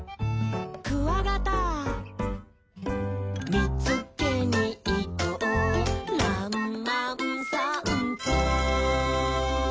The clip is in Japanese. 「みつけにいこうらんまんさんぽ」